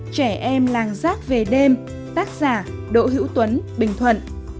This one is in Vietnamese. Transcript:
trẻ em làng giác về đêm tác giả đỗ hữu tuấn bình thuận